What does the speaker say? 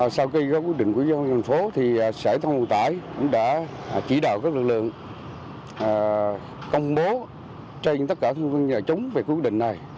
sau khi có quyết định của dân thành phố thì sở thông vận tải cũng đã chỉ đạo các lực lượng công bố cho tất cả các thương vương nhà chống về quyết định này